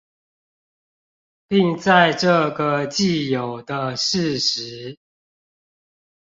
並在這個既有的事實